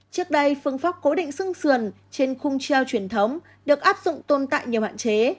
trước đây phương pháp cố định xưng sườn trên khung treo truyền thống được áp dụng tồn tại nhiều hạn chế